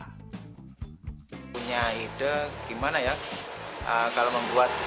harga pedal menggunakan pedal menurunkan kondisi kondisi air yang menyengolo dan menggulungkan berat air